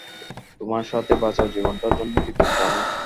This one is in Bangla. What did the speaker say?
তোমার সাথে বাঁচা জীবনটার জন্য কৃতজ্ঞ আমি।